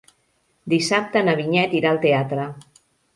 Dissabte na Vinyet irà al teatre.